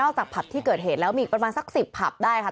นอกจากผับที่เกิดเห็นแล้วมีประมาณสักสิบผับได้ค่ะ